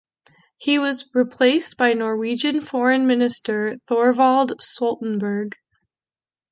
He was replaced by Norwegian Foreign Minister Thorvald Stoltenberg.